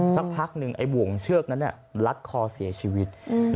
สักพักหนึ่งไอ้บ่วงเชือกนั้นลัดคอเสียชีวิต